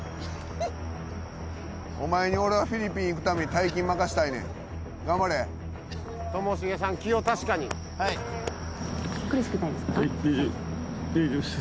お前に俺はフィリピン行くために大金任せたいねん頑張れともしげさん気を確かに・苦しくないですか？